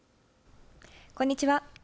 こんにちは。